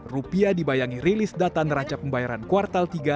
rupiah dibayangi rilis data neraca pembayaran kuartal tiga